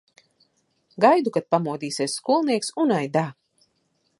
Gaidu, kad pamodīsies skolnieks un aidā!